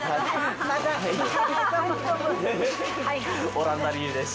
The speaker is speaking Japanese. オランダ流です。